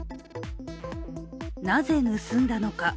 なぜ盗んだのか。